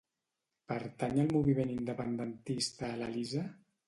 Pertany al moviment independentista l'Elisa?